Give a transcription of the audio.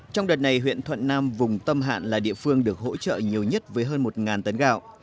trong đợt này huyện thuận nam vùng tâm hạn là địa phương được hỗ trợ nhiều nhất với hơn một tấn gạo